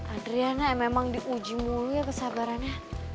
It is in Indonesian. adriana yang memang diuji mulu ya kesabarannya